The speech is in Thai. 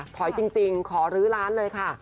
จริงขอรื้อร้านเลยค่ะ